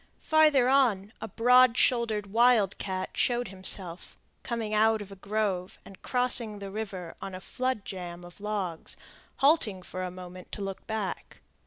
Farther on, a broad shouldered wildcat showed himself, coming out of a grove, and crossing the river on a flood jamb of logs, halting for a moment to look back.